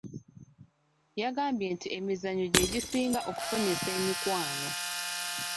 Yagambye nti emizannyo gye gisinga okufunyisa emikwano.